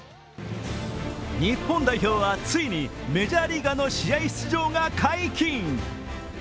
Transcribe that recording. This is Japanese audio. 日本代表はついにメジャーリーガーの試合出場が解禁。